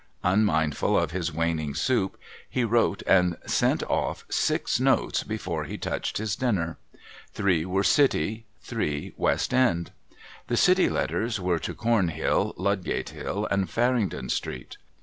Unmindful of his waning soup, he wrote and sent off six notes before he touched his dinner. Three were City ; three West End. The City letters were to Cornhill, Ludgate hill, and Farringdon street.